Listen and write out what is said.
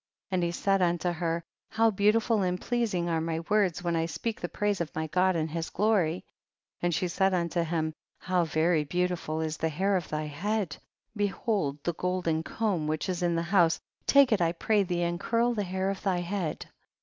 20. And he said unto her, how beautiful and pleasing are my words when I speak the praise of my God and his glory ; and she said unto him how very beautiful is the hair of thy head, behold the golden comb which is in the house, take it I pray thee and curl the hair of thy head.